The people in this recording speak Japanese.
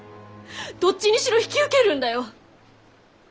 どっちにしろ引き受けるんだよ！